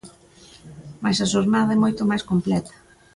Mais a xornada é moito máis completa.